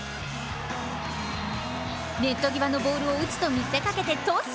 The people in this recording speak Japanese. ネット際のボールを打つとみせかけてトス。